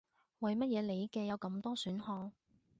為乜嘢你嘅有咁多選項